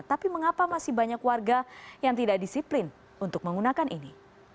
tapi mengapa masih banyak warga yang tidak disiplin untuk menggunakan ini